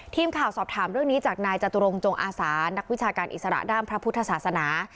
ทีมข่าวสอบถามเรื่องนี้จากนายจตุรงจงอาสานักวิชาการอิสระด้านพระพุทธศาสนา